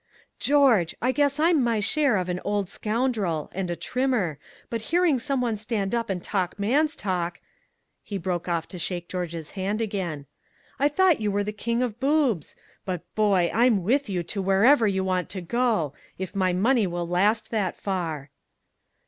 "George I guess I'm my share of an old scoundrel and a trimmer but hearing some one stand up and talk man's talk " He broke off to shake George's hand again. "I thought you were the king of boobs but, boy, I'm with you to wherever you want to go if my money will last that far!"